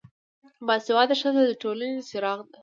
با سواده ښځه دټولنې څراغ ده